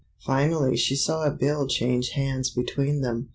Finally she saw a bill change hands between them.